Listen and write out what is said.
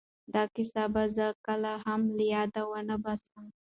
دا کیسه به زه کله هم له یاده ونه باسم.